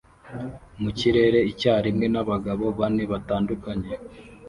mu kirere icyarimwe n'abagabo bane batandukanye